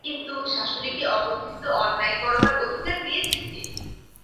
কিন্তু শাশুড়ীকে অপ্রতিহত অন্যায় করবার অধিকার দিয়েছে কে?